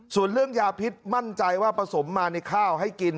ส่วนเรื่องยาพิษมั่นใจว่าผสมมาในข้าวให้กิน